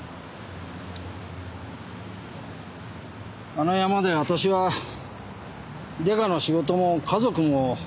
あのヤマで私はデカの仕事も家族もなくしました。